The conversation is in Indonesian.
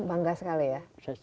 bangga sekali ya